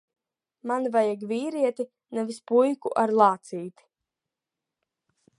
Man vajag vīrieti, nevis puiku ar lācīti.